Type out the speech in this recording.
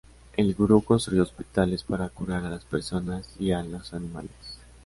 El Gurú, construyó hospitales para curar a las personas y a los animales.